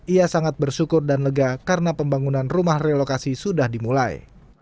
ia sangat bersyukur dan lega karena pembangunan rumah relokasi sudah dimulai